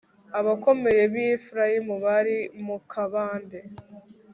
abakomeye b'i efurayimu bari mu kabande